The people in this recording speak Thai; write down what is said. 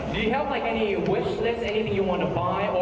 คิดจะซื้อนะมีเรือนิวสิทธิ์มั้ยเหรอ